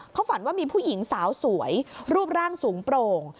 เขาฝันว่ามีผู้หญิงสาวสวยรูปร่างสูงโปร่ง